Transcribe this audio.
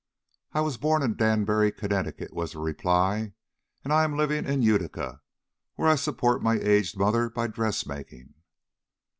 "I was born in Danbury, Connecticut," was the reply, "and I am living in Utica, where I support my aged mother by dress making."